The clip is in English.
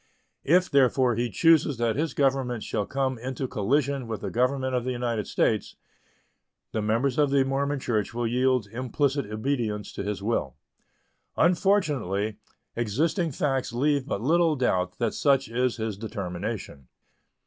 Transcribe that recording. If, therefore, he chooses that his government shall come into collision with the Government of the United States, the members of the Mormon Church will yield implicit obedience to his will. Unfortunately, existing facts leave but little doubt that such is his determination.